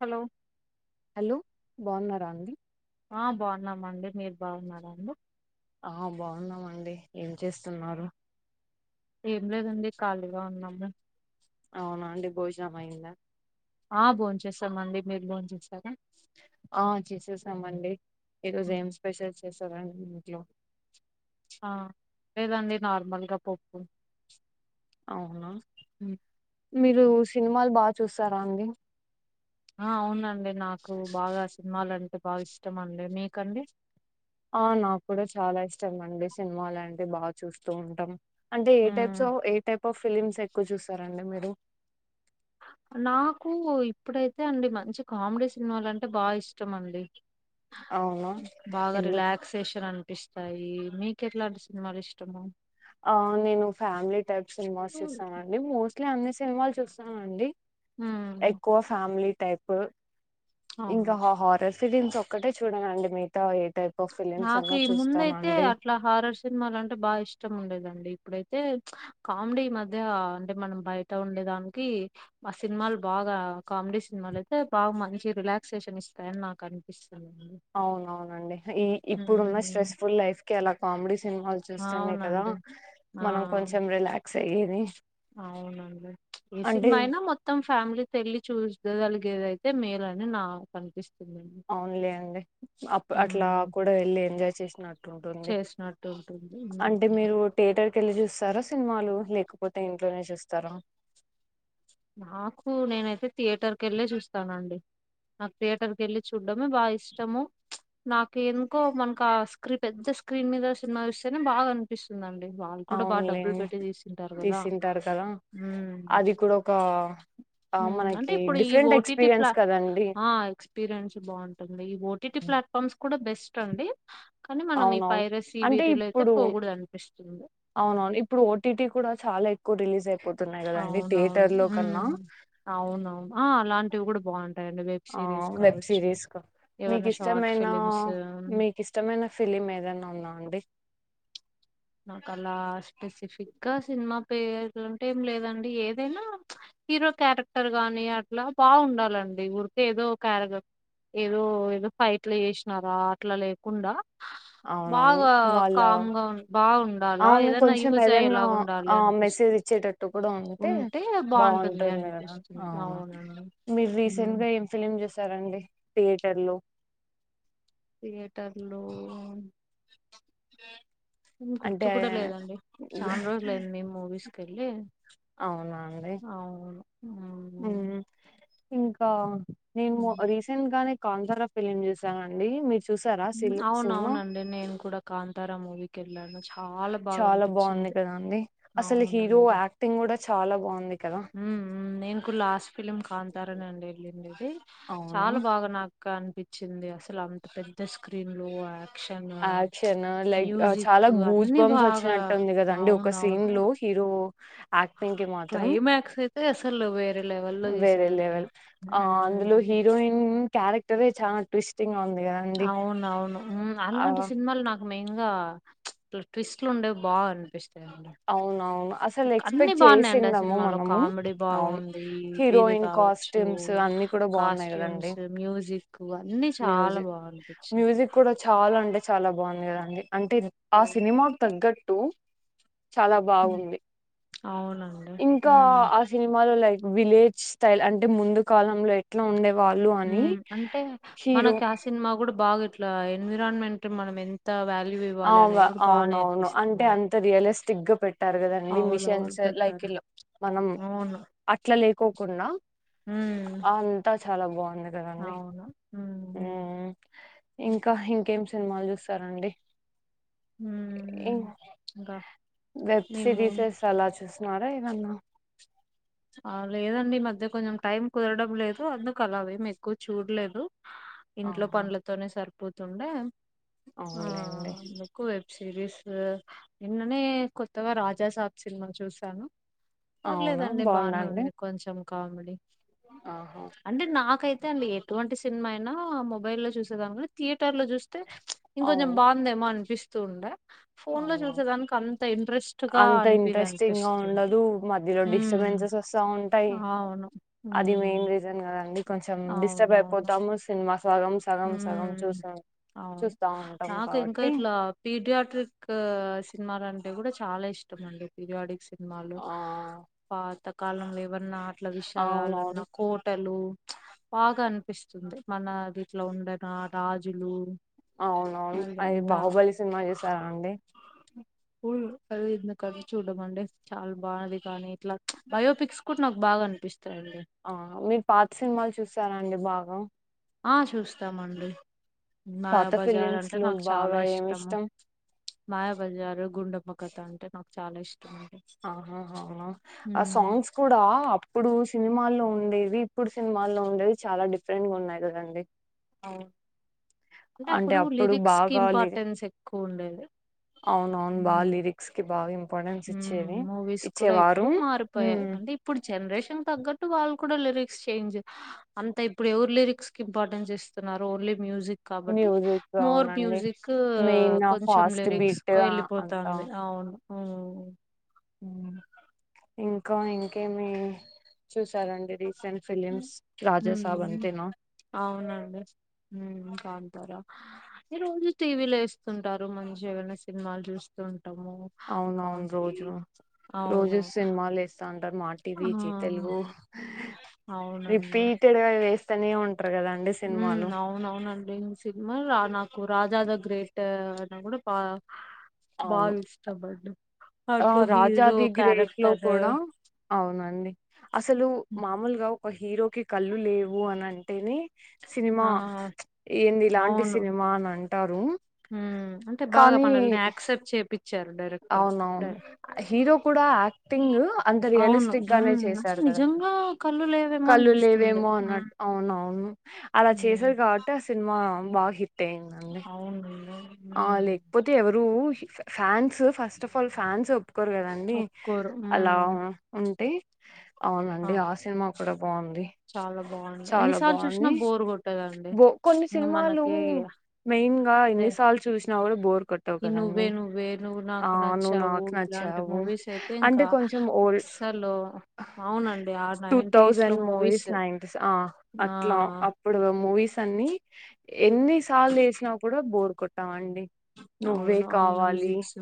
Hello hello బాగున్నారా అండి ఆ బాగున్నామండి మీరు బాగున్నారడి ఆ బాగున్నామండి ఏం చేస్తున్నారు ఏం లేదండి ఖాళీగా ఉన్నాము అవునా అండి భోజనమయింద ఆ బోం చేస్తామండి మీరు బోం చేస్తారా ఆ చేసేసామండి ఈరోజు ఏం స్పెషల్ చేస్తారండి ఇంట్లో ఆ లేదండి నార్మల్గా పప్పు అవునా ఉమ్. మీరు సినిమాలు బాగా చూస్తారా అండి ఆ అవునండి నాకు బాగా సినిమాాల అంటే బాగా ఇష్టం అండి మీకండి ఆ నాకు కూడా చాలా ఇష్టం అండి సినిమా లాంటివి బాగా చూస్తూ ఉంటాం అంటే ఏ types um. Of A type of films ఎక్కువ చూస్తారంండి మీరు నాకు ఇప్పుడైతే అండి మంచి కామెడీ సినిమాలంటే బాగా ఇష్టం అండి అవునా బాగా ఎందుకు రిలాక్సేషన్ అంట పిస్తాయి మీకెట్లాంటి సినిమాలు ఇష్టము ఆ నేను ఫ్యామిలీ టైప్ సినిమాస్ ఉమ్ చూస్తాను అండి మోస్ట్లీ అన్ని సినిమాలు చూస్తాను అండి ఎక్కువ ఫ్యామిలీ టైప్ అవును ఇంకా హాహార్ ఫిలిమ్స్ ఒక్కటే చూడంనండి మిగితావి నాకు ఈ ముందయితే అట్లా హారర్ సినిమాలు అంటే బాగా ఇష్టం ఉండదండి ఇప్పుడైతే అయితే కామెడీ మధ్య అంటే మనం బయట ఉండేదానికి ఆ సినిమాలు బాగా కామెడీ సినిమాలు అయితే బాగా మంచి రిలాక్సేషన్ ఇస్తాయని నాకు అనిపిస్తుంది అవునవునండి ఈ ఇప్పుడున్న ఉమ్ స్ట్రెస్ఫుల్ లైఫ్ కి అలా కామెడీ చూస్తునే కదా అవునండి ఆ మనం కొంచెం రిలాక్స్ అయ్యేది అవునండి ఏ అంటే సినిమా అయినా మొత్తం ఫ్యామిలీ వెళ్లి చూ పెద్దగలిగేదైతే మేలని నా కనిపిస్తుంది అవున్లే అవునులే అండి అ అట్లా ఉమ్ కూడా వెళ్ళి ఎంజాయ్ చేసినట్టు ఉంటుంది చేసినట్టు ఉంటుంది ఉమ్. అంటే మీరు థియేటర్ కెళ్ళి చూస్తారా సినిమాలు లేకపోతే ఇంట్లోనే చూస్తారా నాకు నేనైతే థియేటర్ కి వెళ్లి చూస్తానండి నాకు థియేటర్ కి వెళ్ళి చూడడమే బాగా ఇష్టము నాకు ఎందుకో మనకు ఆ స్క్రీ పెద్ద స్క్రీన్ మీద సినిమా ఇస్తేనే బాగా అనిపిస్తుందిండి వాళ్ళు కూడా బాగా డబ్బులు అవునులేండి పెట్టి తీసుంటారు కదా తీసింటారు కదా అది కూడా ఒక ఆ ఉమ్. అంటే మనకి ఇప్పుడు ఈ డిఫరెంట్ ఓటీటీ ఎక్స్పీరియన్స్ ప్లా కదండి ఆ ఎక్స్పీరియన్స్ బాగుంటుంది ఈ ఓటీటీ ప్లాట్ఫామ్స్ కూడా బెస్ట్ అండి కానీ మనం ఈ అవునవును. పైరస్ ఈ వీటిలో అయితే పోకూడ అనిపిస్తుంది అవున అవును ఇప్పుడు ఓటీటీ కూడా చాలా ఎక్కువ రిలీజ్ అయిపోతుంది అవునవును అవునవును అలాంటివి కూడా బాగుంటాయి ఆ వేబ్ సిరిస్ కా మీకు ఏవన్నా షార్ట్ ఇష్టమైన ఫిలిమ్స్ మీకు ఇష్టమైన ఫిలిమ్ ఏదనా ఉన్నాం అండి నాకు అలా స్పెసిఫిక్ గా సినిమా పేర్లంటే ఏం లేదండి ఏదైనా హీరో క్యారెక్టర్ గాని అట్లా బా ఉండాలండి ఊరిక ఏదో క్యారెక్టర్ ఏదో ఏదో ఫైట్లు చేసినారా అట్లా లేకుండా అవునవును. బాగా వాళ్ళ కామ్ గా ఉం బాగుండాలా అవును. ఏదనా కొంచెం యూజ్ ఏదన్నా అయ్యేలాగా ఉండాలి ఆహ్, అనిపి మెసేజ్ ఇచ్చేటట్టు కూడా ఉంటే బాగు బావుంటుంది కదా! అనిపిస్తు అవును అండి మీరు రీసెంట్ గా ఏం ఫిలిమ్ చూసారండి థియేటర్ లో థియేటర్ లో అంటే గుర్తు కూడా లేదండి చానా రోజులుయింది మూవీస్ క వెళ్ళి అవునా అండి. అవును హ్మ్. ఇంకా నేను ఉమ్. రీసెంట్ గానే కాంతార ఫిలిమ్ చూసానండి మీ అవున అవును అండి నేను కూడా కాంతార మూవీ కి ఏళ్ళను చాలా బాగుంది కదాండి అసలు హీరో అవునండి యాక్టింగ్ కూడా చాలా బాగుంది కదా నేను కూడా లాస్ట్ ఫిలిం కాతారనండి వెళ్ళింది ఇది అవును చాలా బాగా నాకు అనిపించింది అసలు అంత పెద్ద స్క్రీన్ లో యాప్ క్షన్ యాక్షన్ లైక్ చాలా మ్యూజిక్ గూస్ అన్నీ బంప్స్ బాగా వచ్చినట్టు ఉంది కదండి ఒక అవున సీన్ అవును లో హీరో యాక్టింగ్ కి మాత్రం అసలు వేరే లెవెల్లో వేరే తీసారండి లెవెల్ అందులో ఉమ్ హీరోయిన్ క్యారెక్టర చా ట్విస్టింగ్ గా ఉంది కదండి అవున అవును ఆ అలాంటి సినిమాలు నాకు మెయిన్ గా ఇ ట్విస్ట్లు ఉండేవి బాగా అనిపిస్ అవునవును అ అసలు ఎక్స్పెక్ట్ బాగున్నాయండి ఆ చేసిందము సినిమాలో మనము కామెడీ అవును బాగుంది ఇది హీరోయిన్ కావచ్చు కాస్ట్యూమ్స్ అన్ని కూడా కూడా బాగున్నాయి కదండి కాస్ట్యూమ్స్ మ్యూజిక్ అన్ని చాలా మ్యూజిక్ బాగునిపించి మ్యూజిక్ కూడా చాలా అంటే చాలా బాగుంది కదండి అంటే ఆ సినిమాకు తగ్గట్టు చాలా బాగుంది అవునండి ఇంకా ఉమ్ ఆ సినిమాలో లైక్ విలేజ్ స్టైల్ అంటే ముందు కాలంలో ఎట్లా ఉండే వాళ్ళు అని ఉమ్ అంటే హీరో మనకి ఆ సినిమా కూడా బాగా ఇట్లా ఎన్విరాన్మెంట్ మనం ఎంత వాల్యూ ఇవ్వాలి అవు అనేది కూడా బాగా అవునవును నేర్పిస్తుంది అంటే మనకి. అంత రియలిస్టిక్ గా పెట్ అంటారు కదండి అవునవును మిషన్స్ లైక్ పెట్టారు మనం అవును అట్లా లేకోకుండా ఉమ్ అంతా చాలా బాగుంది కదండి అవును ఉమ్ ఇంకా ఇంకా ఇంకేం సినిమాలు చూస్తారండి ఇం ఉమ్ ఇంకా వెబ్ మేము సిరీసెస్ అలా చూస్తున్నారా ఏవన్నా ఆ లేదండి ఈ మధ్య కొంచెం టైం కుదరడం లేదు అందుకు అలావేమి ఎక్కువ చూడలేదు ఇంట్లో ఆహా పండ్లతోనే సరిపోతుండే ఆ అవునులేండి అందుకు వెబ్ సిరీస్ నిన్ననే కొత్తగా రాజా సాబ్ సినిమా చూసాను అవునా పర్లేదండి బాగుందా బానే అండి ఉంది కొంచెం కామెడీ ఆహా అంటే నాకైతే అ అండి ఎటువంటి సినిమా అయినా మొబైల్ లో చూసేదాని థియేర్ టర్ లో చూస్తే ఇంకొంచం అవును బాందేమో అనిపిస్తూ ఉండ ఫోన్ లో అవునవును చూసేదానికి అంత ఇంట్రెస్ట్గా అంత అనిపిదు ఇంట్రెస్టింగ్ గా అనిపిస్తుంది ఉండదు మధ్యలో డిస్టర్బెన్సెస్ వస్తా ఉంటాయి ఆవును అండి కొంచెం డిస్టర్బ్ అయిపోతాము సినిమా సగం సగం సగం చూసాం అవును చూస్తా ఉంటాం నాకు ఇంకా కాబట్టి ఇట్లా పీరియాడిక్ సినిమాల అంటే కూడా చాలా ఇష్టం అండి పిర్యాడిక్ సినిమాలు ఆ పాత కాలంలో ఏవన్నా ఆటల అవునవును విషయాలన్నా కోటలు బాగా అనిపిస్తుంది మన దీట్లో ఉండన రాజులు అవునవును అవి అదంతా బాహుబలి సినిమా చేసారా అండి అది ఇంది కది చూడమ అండి చాలా బాగునేది కానీ ఇట్లా బయోపిక్స్ కూడా నాకు బాగా అనిపిస్తుంది ఆ మీరు పాత సినిమాలు చూస్తారా అండి బాగా ఆ చూస్తామండి మాయ పాత బజార్ ఫిలిమ్స్ అంటే లో నాకు చాలా బాగా ఏమి ఇష్టము ఇష్టం మాయాబజారు గుండెమ్మ కథ అంటే నాకు చాలా ఇష్టం అండి ఆహ ఆ ఉమ్, సాంగ్స్ కూడా ఇప్పుడు సినిమాల్లో ఉండేవి ఇప్పుడు సినిమాల్లో ఉండేవి చాలా డిఫరెంట్ గా ఉన్నాయి కదండి వు అంటే అప్పుడు లిరిక్స్ కి ఇంపార్టెన్స్ ఎక్కువ ఉండేది అవునవును బాగా లిరిక్స్ కి బాగా ఇం మూవీస్ కూడా ఇప్పుడు మారిపోయాయి ఉమ్ అంటే ఇప్పుడు జనరేషన్ తగ్గట్ వాళ్ళు కూడా లిరిక్స్ చేంజ్ అంత ఇప్పుడు ఎవరు లిరిక్స్ కి ఇంపార్టెన్స్ ఇస్తున్నారు ఓన్లీ మ్యూజిక్ కాబట్టి మ్యూజిక్ మోర్ అవునండి మ్యూజిక్ మెయిన్ కొంచెం ఫాస్ట్ లిరిక్స్ బీట్ కు అంతా వెళ్ళిపోతుంది అవును ఇంకా ఇంకేమి చూ రండి రీసెంట్ ఫిలిమ్స్ ఉమ్ రాజాసాబ్ అంతేనా హ చాల రోజు టీవీలు వేస్తుంటారు మంచిగా ఏనా సినిమాలు చూస్తుంట అవునవును రోజు రోజు అవును సినిమాలు వేస్తాను ఆ మాటీవీ జీ తెలుగు అవునండి రిపీటెడ్గా వేస్తనే ఉంట హ అవునవునండి సినిమా రా నాకు రాజా ది గ్రేట్ కూడా పా అవును బాగా ఇష్టపడ్ ఆ రాజాదిగ్రేట్లో కూడా అవునండి అసలు మామూలుగా ఒక హీరోకి కళ్ళు లేవు అని అంటేనే సినిమా ఆ ఏంది ఇలాంటి అవును సినిమా అని అంటారు ఉమ్ అంటే బాగా కానీ మనల్ని యాక్సెప్ట్ చేపిచ్చారు డైరెక్టర్ అవునవును డై హీరో కూడా యాక్టింగ్ అంత అవును. రియలిస్టిక్ గానే హ్మ్. అసలు చేశాడు నిజంగా కళ్ళు లేవేమో అనిపిస్తుంది. కళ్ళులేవేమో హ్మ్. అన్నట్ అవునవును ద అలా హ్మ్. చేసారు కాబట్టి ఆ సినిమా బాగ హి ట్టయిదండి అవునండి. ఆ హ్మ్. లేకపోతే ఎవరు ఫ్యాన్స్ ఫస్ట్ ఆఫల్ ఫ్యాన్స్ ఒప్పుకోరు కదండి ఒప్పుకోరు. అలా హ్మ్. ఉంటే అవునండి ఆ సినిమా కూడా బాగుంది చాలా బావుంది. ఎన్ని చాలా సార్లు చూసినా బాగుంది బోర్ కొట్టదండి. బో కొన్ని ఇంగ సినిమాలు మనకి మెయిన్ గా అదే ఎన్నిసార్లు చూసినా కూడా బోర్ కొట్టావు ఈ 'నువ్వే కదండి నువ్వే నువ్వు ఆ నాకు నువ్వు నచ్చావు' నాకు ఇలాంటి నచ్చావు మూవీస్ అయితే అంటే ఇంకా కొంచెం ఓల్డ్ అస్సలు అవునండి. ఆ టూ థౌసండ్ మూవీస్ నైన్ ఆ! అట్లా అప్పుడు మూవీస్ అండీ ఎన్ని సార్లు వేసినా కూడా బోర్ కొట్టావ్ అండి నువ్వే అవును. ఆ కావాలి మ్యూజిక్స్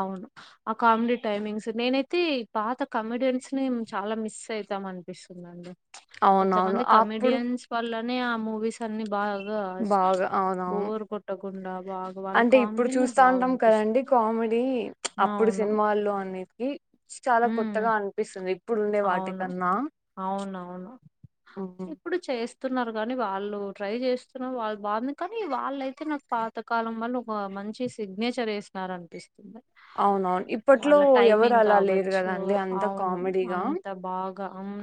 అవును ఆ కామెడీ టైమింగ్స్ నేనైతే పాత కామెడియన్స్ ని చాలా మిస్ అవుతాం అనిపిస్తుందండి అవునవును కొంతమంది అప్పుడు కమెడియన్స్ వాళ్ల నే ఆ మూవీస్ అన్ని బాగా బాగా అవునవును బోర్ కొట్టకుండా బాగా వాళ్ళ అంటే ఇప్పుడు కామెడీని చూస్తా బాగా ఉంటాం అనిపిస్తుంది కదండి కామెడీ అప్పుడు అవును సినిమాల్లో అన్ని చాలా ఉమ్ కొత్తగా అనిపిస్తుంది ఇప్పుడు ఉండే అవును వాటికన్నా అవునవును ఉమ్, ఇప్పుడు చే స్తున్నారు కానీ వాళ్ళు ట్రై చేస్తున్నారు వాళ్ళు బాగుంది కానీ వాళ్ళయితే నాకు పాత కాలం అని ఒక మంచి సిగ్నేచర్ వెసారనిపిస్త అవునవును ఇప్పట్లో వాళ్ళ ఎవరు టైమింగ్ అలా లేరు కావచ్చు కదండి అంత అవును కామెడీగా అంత బాగా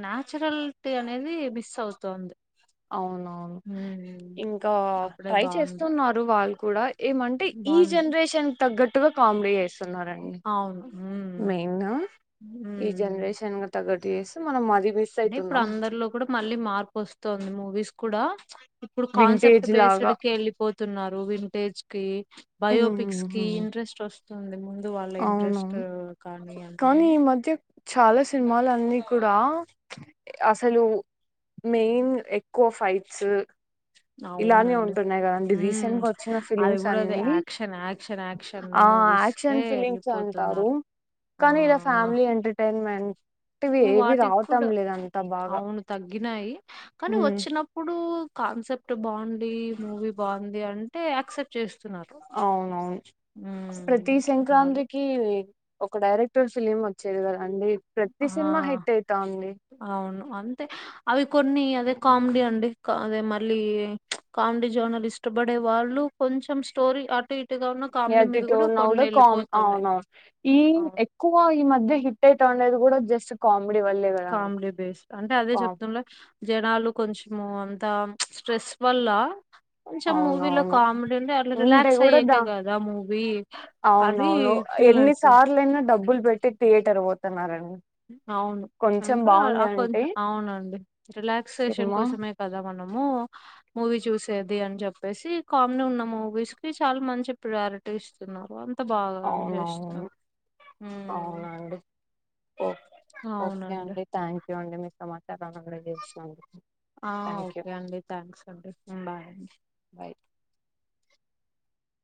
నాచురల్టీ అనేది మిస్ అవుతుంది అవునవును ఇంకా అప్పుడే ట్రై బాగుండే చేస్తున్నారు వాళ్ళు కూడా ఏమంటే ఈ బాగుంది జనరేషన్ తగ్గట్టుగా కామెడీ చే అవును ఉమ్ ఉమ్ చేసి మనం మరి అంటే ఇప్పుడు అందరిలో కూడా మళ్ళీ మార్పు వస్తుంది మూవీస్ కూడా ఇప్పుడు కాన్సెప్ట్ వింటేజ్ బేస్డ్ లాగా కి ఎళ్ళిపోతున్నారు వింటేజ్ కి బయోపిక్స్ కి ఉమ్ ఇంట్రెస్ట్ వస్తు స్తుంది. ముందు వాళ్ళ ఇంట్రెస్ట్ అవునవును కానీ అన్ని కానీ ఈ మధ్య చాలా సినిమాలన్నీ కూడా అసలు మెయిన్ ఎక్కువ ఫైట్స్ ఇలానే అవునండి ఉంటున్నాయి కదండి ఉ రీసెంట్ గా వచ్చిన అది ఫిలిమ్స్ కూడా అన్ని యాక్షన్ యాక్షన్ యాక్షన్ ఆ మూవీస్ కే యాక్షన్ ఫిలిమ్స్ అంటారు వెళ్ళిపోతున్నారు. కానీ ఇలా ఫ్యామిలీ ఎంటర్టైన్మెంట్ ఇవి ఏవి వాటికి రావటం కూడా లేదంతా బాగా అవును తగ్గినాయి కానీ హ్మ్. వచ్చినప్పుడు కాన్సెప్ట్ బాగుండి మూవీ బాగుంది అంటే యాక్సెప్ట్ చేస్ అవునవును ప్రతి జనాలు. సంక్రాంతికి ఒక డైరెక్ట్ ర్ ఫిలిమ్ వచ్చేది కదా ఆ అవును అంతే అవి కొన్ని అదే కామెడీ అండి క అదే మళ్ళీ కామెడీ జోనల్ ఇష్టపడే వాళ్ళు కొ కొంచెం స్టోరీ అటు ఇట్ ఇగ అట్ట ఇట్ట ఉన్న కూడా ఎళ్ళిపోతున్నాయి. అవునవును ఈ అవును. ఎక్కువ ఈ మధ్య హిట్ అయితా ఉండేది కూడా జస్ట్ కామ్ కామిడీ బేస్ అంటే అదే చెప్తుంలే జనాలు కొంచెము అంత స్ట్రెస్ వల్ల కొంచెం మూవీలో అవునవును కామెడీ ఉండే వాళ్ళు ఉంటే రిలాక్స్ కూడా దా అయకే కదా మూవీ అది అవునవును ఫీల్ ఎన్ని అయితుంది సార్లు అయిన డబ్బులు పెట్టి థియేటర్ పోతున్నారండి అవును కొంచెం ఇంకా బాగుంది ఆ అంటే కొంచెం అవునండి రిలాక్సేషన్ సినిమా కోసమే కదా మనం ము మూవీ చూసేది అని చెప్పేసి కామెడీ ఉన్న మూవీస్ కి చాలా మంచి ప్రియారిటీ ఇస్తున్నారు అంత బాగా చేస్తున్న అవునవును హమ్ అవునా అండి ఓ ఓకే అండి థ్యాంక్ యూ అండి మీతో మా చేసినందుకు ఆ థ్యాంక్ యూ ఓకే అండి థ్యాంక్స్ అండి హ్మ్. Bye bye